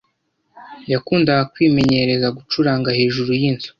Yakundaga kwimenyereza gucuranga hejuru yinzu.